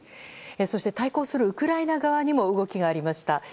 そして対抗するウクライナ側にも動きがありました。